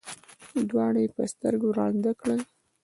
دواړه یې په سترګو ړانده کړل.